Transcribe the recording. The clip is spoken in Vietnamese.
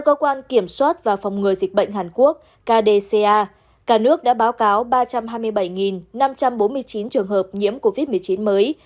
theo quan kiểm soát và phòng ngừa dịch bệnh hàn quốc kdca cả nước đã báo cáo ba trăm hai mươi bảy năm trăm bốn mươi chín trường hợp nhiễm covid một mươi chín mới